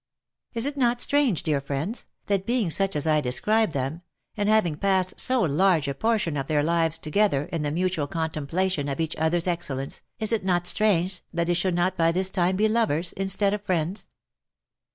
" Is it not strange, dear friends, that being such as I describe them, and having passed so large a portion of their lives together in the mu tual contemplation of each other's excellence, is it not strange that they should not by this time be lovers, instead of friends